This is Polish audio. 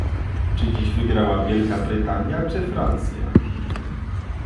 Czy dziś wygrała Wielka Brytania czy Francja?